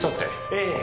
ええ。